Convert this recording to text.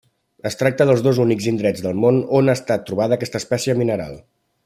Es tracta dels dos únics indrets del món on ha estat trobada aquesta espècie mineral.